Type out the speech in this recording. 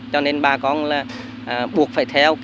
cho nên bà con là buộc phải theo